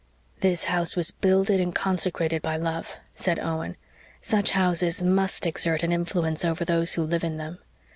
"This house was builded and consecrated by love," said Owen. "Such houses, MUST exert an influence over those who live in them.